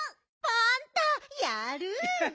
パンタやる！